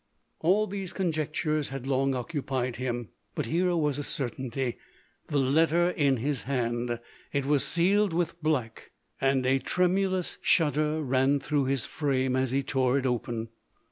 All these conjectures had long occupied him, but here was certainty — the letter in his hand. It was sealed with black, and a tremulous shud der ran through his frame as he tore it open.